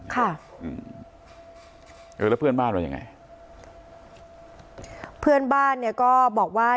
ค่ะอืมเออแล้วเพื่อนบ้านว่ายังไงเพื่อนบ้านเนี่ยก็บอกว่า